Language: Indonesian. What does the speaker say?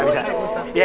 kasih pak dokter ya